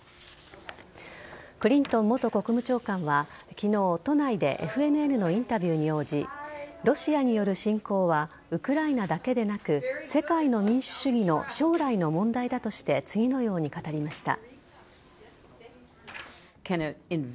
クリントン元国務長官は昨日、都内でＦＮＮのインタビューに応じロシアによる侵攻はウクライナだけでなく世界の民主主義の将来の問題だとして次のように語りました。